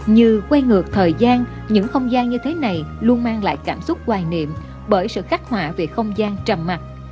như quay ngược thời gian những không gian như thế này luôn mang lại cảm xúc hoài niệm bởi sự khắc họa về không gian trầm mặt